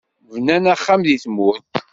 Bnan axxam deg tmurt.